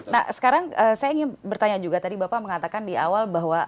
nah sekarang saya ingin bertanya juga tadi bapak mengatakan di awal bahwa